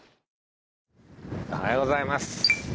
おはようございます。